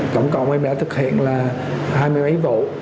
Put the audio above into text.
tổng cộng em đã thực hiện là hai mươi bảy vụ